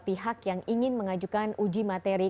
pihak yang ingin mengajukan uji materi